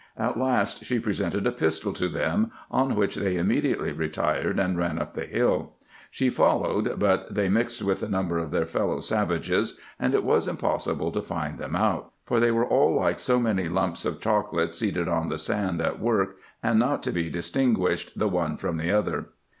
At last she presented a pistol to them, on which they immediately retired, and ran up the hill. She followed, but they mixed with a number of their fellow savages, and it was impossible to find them out ; for they were all like so many lumps of chocolate seated on the sand at work, and not to be distinguished the one from the other.